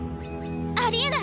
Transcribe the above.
あり得ない！